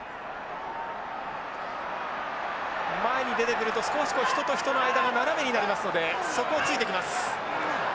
前に出てくると少し人と人の間が斜めになりますのでそこをついてきます。